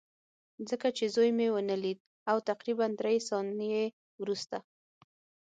ځکه چې زوی مې ونه لید او تقریبا درې ثانیې وروسته